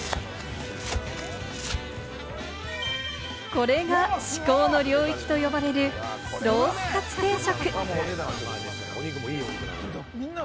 これが至高の領域と呼ばれる、ロースかつ定食。